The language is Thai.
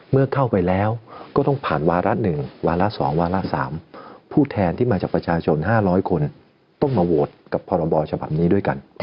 เมื่อเข้าไปแล้วก็ต้องผ่านวาระ๑วาระ๒วาระ๓ผู้แทนที่มาจากประชาชน๕๐๐คนต้องมาโหวตกับพรบฉบับนี้ด้วยกัน